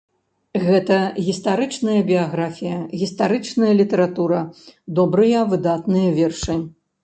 Гэта гістарычная біяграфія, гістарычная літаратура, добрыя выдатныя вершы.